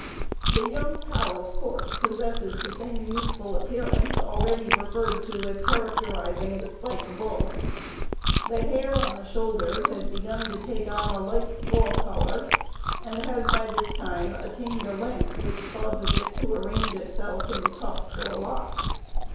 _ The young cow of course possesses the same youthful appearance already referred to as characterizing the "spike" bull. The hair on the shoulders has begun to take on the light straw color, and has by this time attained a length which causes it to arrange itself in tufts, or locks.